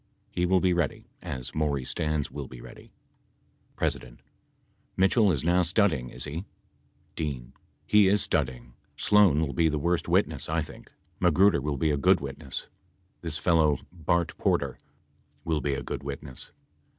He will be ready, as Maury Stans will be ready. P. Mitchell is now studying , is he.? D. He is studying. Sloan will be the worst witness, I think Magruder will be a good witness. This fellow, Bart Porter, will be a good witness.